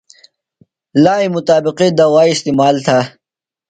لائی مطابق دوائی استعمال تھہ۔